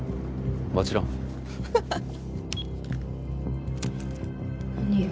もちろん。何よ。